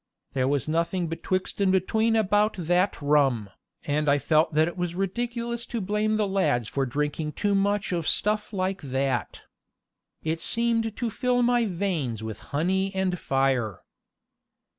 There was nothing betwixt and between about that rum, and I felt that it was ridiculous to blame the lads for drinking too much of stuff like that. It seemed to fill my veins with honey and fire.